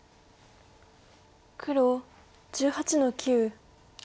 黒１８の九。